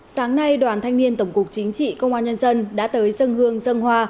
sáng nay đoàn thanh niên tổng cục chính trị công an nhân dân đã tới dân hương dân hoa